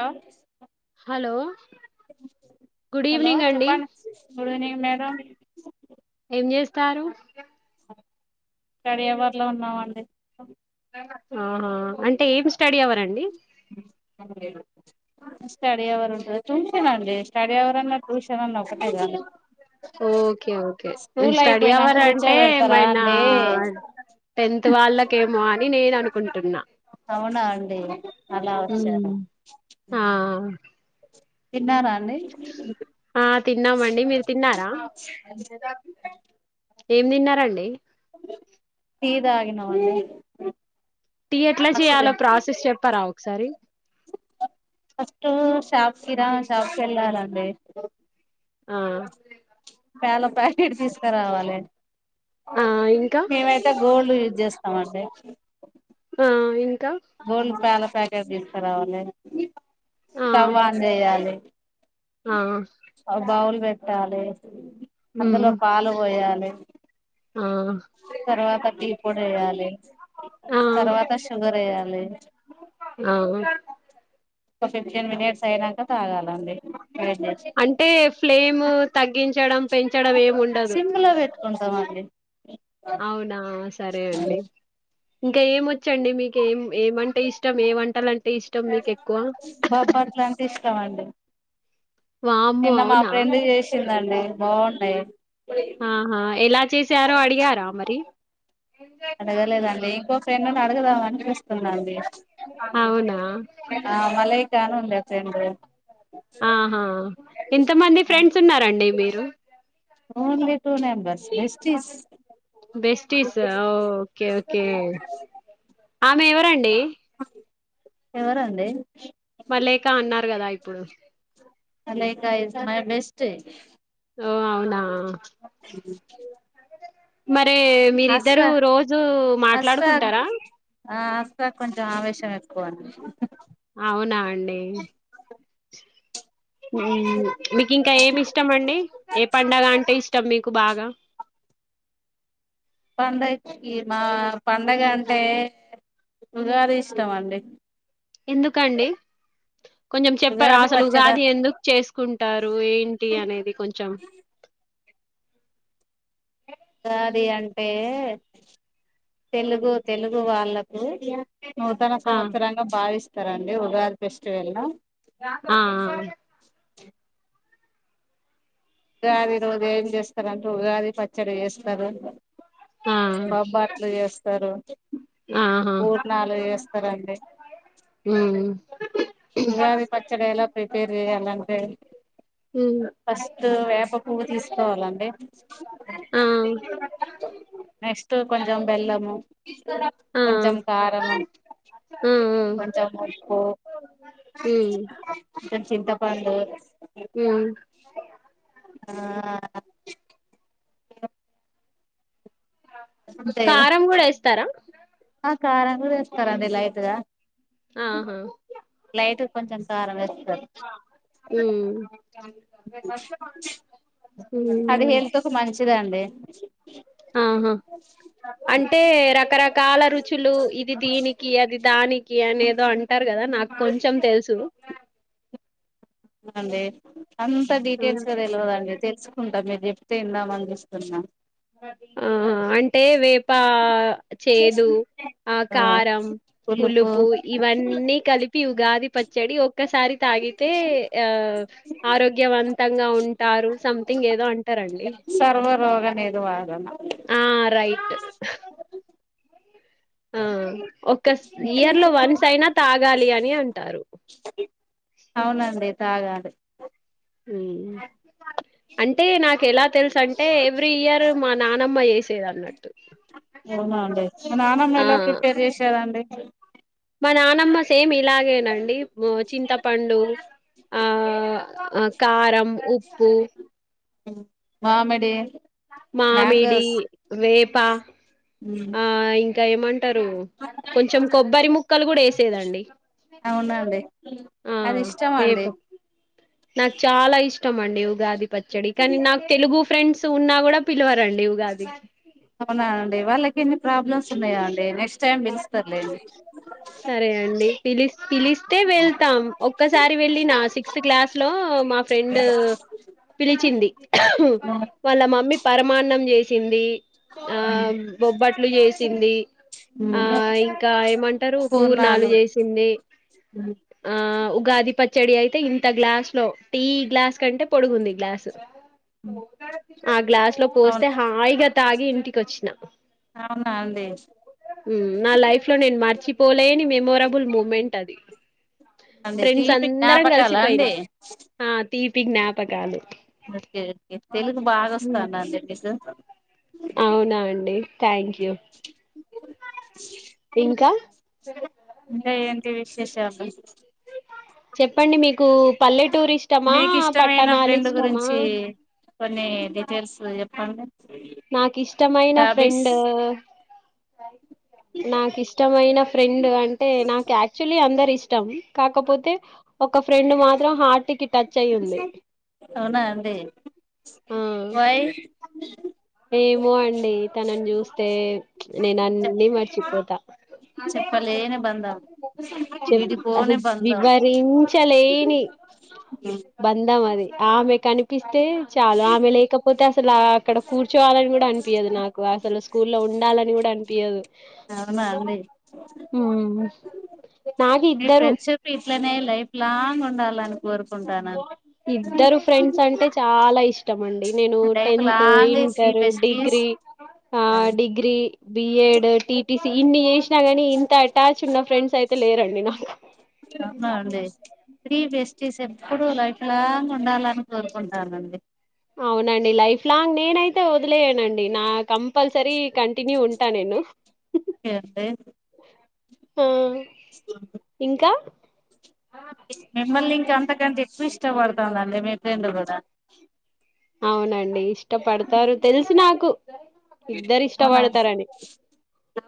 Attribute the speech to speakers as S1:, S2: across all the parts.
S1: లో
S2: hello good
S1: hello
S2: evening అండి
S1: చెప్పండి, గుడ్ ఈవినింగ్ మేడం.
S2: కారు
S1: స్టడీఅవర్ లో ఉన్నామండి.
S2: ఆ హా, అంటే ఏం స్ స్టడీ అవర్ అండి.
S1: స్టడి అవర్ ఉంటది ట్యూషన్ అండి. స్టడీ అవర్ అన్నా, ట్యూషన్ అన్నా ఒకట్
S2: okay okay,
S1: school
S2: study hour
S1: అయిపోయినాక
S2: అంటే
S1: కూర్చోబెడతారా
S2: ఏమైనా
S1: అండి
S2: టెన్త్ వాళ్ళకేమో అని నేను అనుకు కుంటున్నా.
S1: అవునా అండి? అలా వచ్చారా
S2: హ్మ్, హా
S1: తిన్నార
S2: ఆ తిన్నామండి మీరు తిన్నారా ఏం తిన్నారండి
S1: టీ తాగినావా అండి
S2: టీ ఎట్లా చేయాలో ప్రాసెస్ చెప్పరా ఒకసారి?
S1: ఫస్ట్ షాప్ కిరా షాప్కెల్లాలంట్ డి
S2: ఆ
S1: పాల ప్యాకెట్ తీసుకరావాలండి.
S2: ఆ ఇంకా
S1: మేమైతే గోల్డ్ యూజ్ చేస్తామండి.
S2: ఆ ఇంకా
S1: గోళ్ళు ప్యాలస్ తగ తీస్కరావాలే.
S2: ఆ
S1: స్టవ్ ఆన్ చెయాలి.
S2: ఆ
S1: పెట్టాలి
S2: ఉమ్
S1: అందులో పాలు పోయాలి
S2: ఆ
S1: అ తర్వాత టీ పొడి వేయాలి. తర్వాత షుగర్ వేయ్యాలి
S2: అవునా
S1: ఒక ఫిఫ్టీన్ మినిట్స్ అయినాక తాగాలండి వేడి చేసి
S2: అంటే ఫ్లేమ్ తగ్గించడం పెంచడం ఏమి ఉండదు
S1: సింలో పెట్టుకుంటామండి
S2: అవునా సరే అండి ఇంకా ఏం వొచ్చండి మీకేం ఏమంటే ఇష్టం ఇష్టం ఏ వంటలంటే ఇష్టం మీకు ఎక్కువ
S1: బబ్బట్లంటే ఇష్టమండి
S2: వామ్మో
S1: నిన్న మా
S2: అవునా
S1: ఫ్రెండ్ చేసిందండి బాన్నాయి
S2: ఆహా ఎలా ఎలా చేసరో అడిగారా మరి
S1: అడగలేద అండి ఇంకో ఫ్రెండ్ నీ అడగద దండి
S2: అవునా
S1: ఆ మేల్ [unintelligible]
S2: ఆహా ఇంతమంది ఫ్రెండ్స్ ఉన్నారండి మీరు
S1: only two members [unintelligible]
S2: besties okay okay ఆమె ఎవరండి
S1: అ ఎవరండి
S2: మళ్ళ ఇక అన్నారు కదా ఇప్పుడు
S1: లెకా ఇస్ మై బెస్ట్
S2: ఓ అవునా అరే మీరిద్దరు
S1: అస్ర
S2: రోజు
S1: అస్రాక్
S2: మాట్లాడుకుంటారా
S1: ఆ అస్తా కొంచెం ఆవేశం ఎక్కువ అం
S2: అవునా అండి మీకు ఇంకా ఏమి ఇష్టం అండి ఏ పండగ అంటే ఇష్టం టమ్మీ కు బాగా
S1: పండగకి మా పండగ అంటే ఉగాది ఇష్టం అండి
S2: ఎందుకండి కొంచెం చెప్పారు
S1: ఉగాది పచ్చడ
S2: అసలుగాది ఎందుకు చేసుకుంటారు ఏంటి అనేది కొంచెం
S1: ఉగాది అంటే తెలుగు తెలుగు వాళ్ళకు నూతన
S2: ఆ
S1: సంవత్సరంగా భావిస్త ఇస్తారండి ఉగాది ఫెస్టివెల్ ను
S2: ఆ
S1: ఉగాది రోజు ఏం చేస్తారుంటే ఉగాది పచ్చడి చేస్తారు
S2: ఆ ఆ!
S1: బబ్బాట్లు చేస్తారు పూర్ణాలు చేస్త పరండి
S2: హమ్
S1: ఉగాది పచ్చడి ఎలా ప్రిపేర్ అలా
S2: హ
S1: వేపకువ్ తీసుకోవాలండి
S2: ఆ
S1: నెక్స్ట్ కొంచెం బెల్లము
S2: ఆ
S1: కొంచం కారము కొంచం పొయి ఓ
S2: హ
S1: చింతపండు
S2: హ
S1: ఆ అంతే
S2: కారం కూడా వేస్తారా
S1: కారాంగా తీస్తారంం అయితుగా
S2: ఆహా
S1: లైట్ కొంచెం స వర వస్త
S2: హమ్
S1: అది హెల్త్ కు మంచిదండి
S2: ఆహా అంటే రకరకాల రుచులు ఇది దీనికి అది దానికి అనేదో అంటారు కదా నాకు కొంచెం తెలుసు
S1: అదే అంత డీటెయిల్స్ గా తెల్వదండీ తెలుసుకుంటాం మేం చెప్తే ఇందాం అని [inaudible]
S2: ఆ అంటే వేప చేదు, ఆ కారం పులుపు ఇవన్నీ కలిపి ఉగాది పచ్ చడి ఓ క్క సారి తాగితే ఆ ఆరోగ్యవంత తంగా ఉం టారు సంథింగ్ ఏదో అంటారండి
S1: సర్వరోగ నిర్వారణ
S2: ఆ రైట్ ఆ ఒక్క ఇయర్ లో వన్స్ అయినా తాగాలి అని అంటారు
S1: అవునండి తాగాలి
S2: మ్మ్ అంటే నాకు ఎలా తెలుసు అంటే ఎవ్రీ ఇయర్ మా నానమ్మ చేసేది అన్నట్టు
S1: అవునండి మా నానమ్మ
S2: ఆ
S1: ఎలా ప్రిపేర్ చేసేదండి
S2: మా నానమ్మ సేమ్ ఇది ఇలాగేనండి చింతపండు ఆ కారం ఉప్ మ్మ్
S1: మామిడి
S2: మామిడి,
S1: మ్యాంగోస్
S2: వేప్ పా
S1: ఉమ్
S2: ఆ ఇంకా ఏమంటారు కొంచం కొబ్బరి ముక్కలు కూడా ఏసేదండి
S1: అవునండి
S2: ఆ
S1: అది ఇష్టం
S2: వేప
S1: అండి
S2: నాక్ చాలా ఇష్టం అండి ఉగాది పచ్చడి కానీ నాకు తెలుగు ఫ్రెండ్స్ ఉన్నా గూడా పిలవర్ రండి ఉగాదికి
S1: అవునా అండి వాళ్ళకి ఎన్ని ప్రాబ్లమ్స్ ఉన్నాయో అండి నెక్స్ట్ టైం పిలుస్తారులేండి
S2: సరే అండి పిలిస్ పిలిస్తే వెళ్తాం. ఒక్కసారి వెళ్ళినా సిక్స్త్ క్లాస్ లో మా ఫ్రెండ్ పిలిచింది వాళ్ళ మమ్మీ పరమాన్నం చే సింది ఆ బొబ్బట్లు చేసింది ఆ ఇంకా ఏమంటారు పూర్ణాలు చేసింది ఆ ఉగాది పచ్చడి అయితే ఇంత గ్లాస్ లో టీ గ్లాస్ కంటే పొడుగుంది గ్లాసు ఆ గ్లాస్ లో పోస్తే
S1: అవును
S2: హాయిగా తాగి ఇంటికి వచ్చిన
S1: అవునా అండి
S2: ఉమ్ నా లైఫ్ లో నేను మర్చి లేని మెమోరబుల్ మూమెంట్ అది
S1: అండి
S2: ఫ్రెండ్స్
S1: తీపి
S2: అందరం
S1: జ్ఞాపకాలా అండి
S2: కలిసిపోయినాం ఆ తీపి జ్ఞాపకాలు
S1: ఓకే ఓకే తెలుగు బాగా వస్తాన్దండి మీకు
S2: అవునా అండి థాంక్యూ ఇంకా
S1: శాలు
S2: చెప్పండి మీకు పల్లె టూర్ ఇష్టమా
S1: మీకు ఇష్టమైన
S2: పట్టణాలు
S1: ఫ్రెండ్
S2: ఇష్టమా
S1: గురించి కొన్ని డీటెయిల్స్ చెప్పండి
S2: నాకు ఇష్టమైన
S1: హ్యాబిట్స్
S2: ఫ్రెండు నాకు ఇష్టమైన ఫ్రెండ్ అంటే నాకు యాక్చువలీ అందరు ఇష్ టం కాకపోతే ఒక ఫ్రెండ్ మాత్రం హార్ట్ కి ట
S1: అవునా అండి
S2: ఆ
S1: వై
S2: ఏమో అండి నన్ను చూస్తే నేను అన్ని మర్చిపోత
S1: చెప్పలేని బంధం
S2: చెప్ అసలు
S1: విడిపోని బంధం
S2: వివరించలేని బంధం అది ఆమె కనిపి టీ చాలు ఆమె లేకపోతే పోతేసలు అక్కడ కూర్చోవాలని కూడా అనిపియదు నాకు అసలు స్కూల్లో ఉండాలని కూడా అనిపియదు
S1: అవునా అండి
S2: నాకు
S1: మీ
S2: ఇద్దరు
S1: ఫ్రెండ్షిప్ ఇట్లనే లైఫ్ లాంగ్ ఉం డాలని
S2: ఇద్దరు ఫ్రెండ్స్ అంటే చాలా ఇష్టమండి నేను
S1: life
S2: tenth
S1: long three
S2: inter
S1: besties
S2: degree degree BEd టీటిస్ ఇన్ని చేష్ ఇనా కానీ ఇంత అటాచ్ ఉన్న ఫ్రెండ్స్ అయితే లేరండి నాకు
S1: అవునా అండి త్రీ బెస్టీస్ ఎప్పుడు లైఫ్ లాంగ్ ఉండాలని కోరుకుంటానండి
S2: అవునండి లైఫ్ లాంగ్ నేనైతే వ వలేనండి నా కంపల్సరీ కంటిన్యూ ఉంటా నేను
S1: అండి
S2: ఆ ఇంకా
S1: నిమ్మల్ ఇంకా అంత కంత ఇ ఇష్టపడుతుందండి మీ ఫ్రెండ్ కూడా
S2: అవునండి అే ఇష్టపడతారు తెలిసి నాకు ఇద్దరు
S1: అవునా అండి,
S2: ఇష్టపడతారని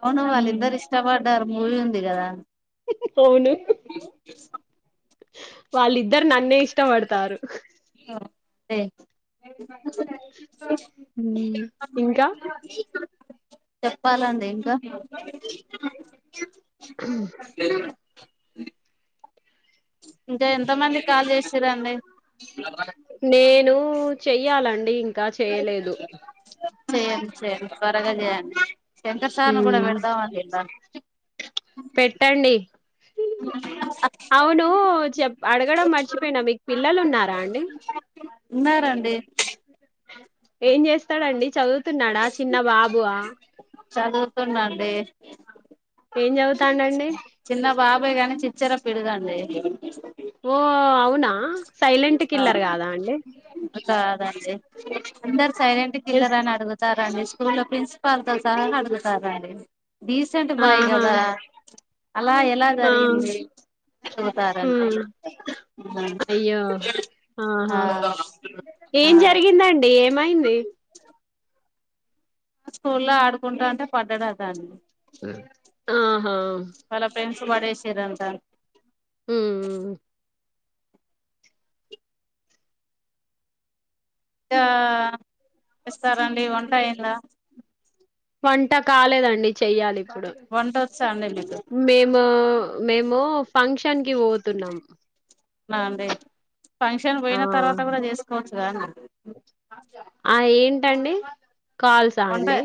S1: అవును వాళ్ళిద్దరు ఇష్టపడ్డారు మూవీ ఉంది కదా
S2: అవును వాళ్ళిద్దరు నన్నే ఇష్టపడతారు
S1: అ
S2: ఇంకా
S1: చెప్పాలండి ఇంకా
S2: హ
S1: ఇంకా ఎంత మంది కాల్ చేశారంండి మర్ద
S2: నేను చెయ్యాలండి ఇంకా చెయలేదు
S1: చేయండి చేయండి తోరగా చేయండి చింత సం కూడా పెడదాం
S2: పెట్టండి. అవునూ? అడగడం మర్చిపోయిన మీక్ పిల్లలు ఉన్నారా అండి?
S1: ఉన్నారడి
S2: ఏం చేస్తాడంండి చదువుతున్నాడా చిన్న బాబు
S1: చదువుతున్నా అండీ
S2: ఏం చదువుతాండు అండీ
S1: బాబే గాని చిచ్చర పిడుగండి
S2: ఓ అవునా సైలెంట్ కిల్లర్ కాదా అండీ
S1: అందరు సైలెంట్
S2: ఎస్
S1: కిల్లర్ అని అడుగుతా రాజేష్ స్కూల్ లో, ప్రిన్సిపాల్ తో సహా అడుగుతార్రాండి. డీసెంట్ బాయ్
S2: ఆహా
S1: కదా. అలా ఎలా
S2: ఆ
S1: జరిగింది? అడుగుతారండి,
S2: ఉమ్
S1: ఉమ్
S2: అయ్యో
S1: ఆ
S2: ఏం జరిగిందండి? ఏమైంది?
S1: స్కూల్లో ఆడుకుంటాంటే పడ్డాడట అండీ.
S2: ఆహా
S1: వాళ్ళ ఫెండ్స్ పడేసిర్రన్ ట
S2: ఊమ్, ఉమ్ ఉ
S1: కా చేస్తారండి వంటయిందా?
S2: వంట కాలేదండి, చెయ్యాలి.
S1: వంట వచ్చా అండి మీకు
S2: మేము, మేము ఫంక్షన్ కి పోతున్నం.
S1: నాండి ఫంక్షన్ పోయిన తర్వాత కూడ, చేసుకోవచ్చు కద అండీ.
S2: దండి?
S1: వంటే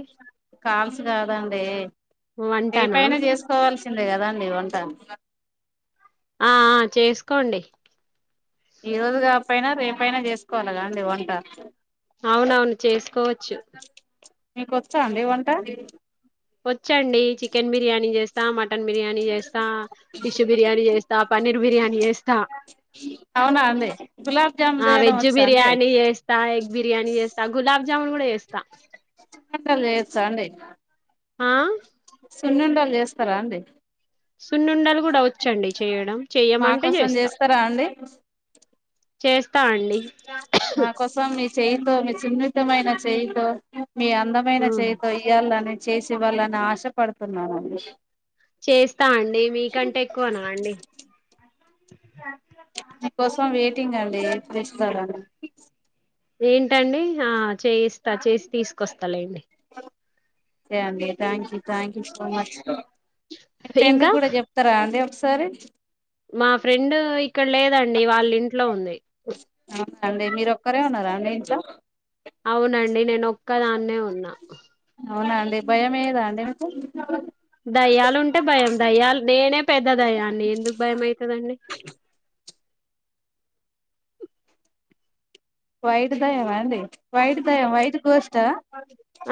S1: కాల్స్ రాదండీ.
S2: వంటనా
S1: రేపైన చేసుకోవాల్సింద్ కే కదండీ వంట.
S2: ఆ ఆ చేసుకోండి.
S1: ఈ రోజు గాపోయినా, రేపయినా చేసుకోవాల కదండి వంట
S2: అవునవును, చేసుకోవచ్చు.
S1: మీక వచ్చా అండీ వంట?
S2: వచ్చండి, చికెన్ బిర్యానీ జేస్తా, మటన్ బిర్యానీ జేస్తా, ఫిష్ బిర్యానీ జేస్తా, పన్నీర్ బిర్యానీ జేస్తా.
S1: అవునా అండి గులాబ్ జామున్
S2: ఆ
S1: చేయడం
S2: వెజ్
S1: వచ్చా అండి
S2: బిర్యానీ జేస్తా, ఎగ్ బిర్యానీ జేస్తా, గులాబ్ జామ్ను కూడ చేస్తా.
S1: వంటలు చేయచ్చ అండి?
S2: ఆ?
S1: సున్నుండలు చేస్తారా అండి?
S2: సున్నుండలు కూడా వచ్చండి చేయడం,
S1: మా
S2: చెయమంటే
S1: కోసం
S2: చేస్తా.
S1: చేస్తారా అండి
S2: చేస్ తా అండి.
S1: మా కోసం మీ చేయితో, మీ సున్నితమైన చే తేగా. మీ అందమైన
S2: హ్మ్.
S1: చేయితో ఇయ్యాలని చేసి ఇవ్వాలని ఆశపడుతున్నాడండీ.
S2: చేస్తాఅండి, మీకంటే ఎక్కువనండి. ఆ
S1: మీకోసం వెయిటింగ్ అండీ, ఎప్పుడు వస్తారా అని?
S2: ఏంటండి, ఆ చేయిస్తా, చేసి తీసుకొస్తాలేండి.
S1: ఓకే అండీ, thank you. Thank you so much, మీ
S2: ఇంకా
S1: ఫ్రెండ్స్ గూడా చెప్తారా అండి. ఒక్కసా సరే.
S2: మా ఫ్రెండు ఇక్ ఇక్కడ లేదండీ, వాళ్ల ఇంట్లో ఉంది.
S1: అండీ, మీరు ఒక్కరే ఉన్నార అండీ ఇంట్ల?
S2: అవునండీ, నేన్. నొక్క దాన్నే, ఉన్నా.
S1: అవునండీ, భయం మేయదా అండీ మీకు?
S2: దయ్యాలు ఉంటే భయం, దయ్యాలు నేనే. పెద్ద దెయ్యాన్ని ఎందుకు భయమైతదండి?
S1: వైట్ దయ్యమా అండీ? వైట్ దయ్యం? వైట్ గోస్ట్ ఆ?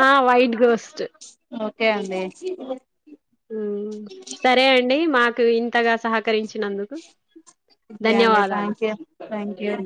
S2: ఆ వైట్ గోస్ట్
S1: కే అండీ.
S2: మ్మ్, సరేఅండి. మా క్ ఇంతగా సహకరించినందుకు
S1: ఓకే అండి
S2: ధన్యవాదాలు.
S1: Thank you thank you